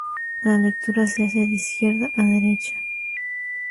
La lectura se hace de izquierda a derecha.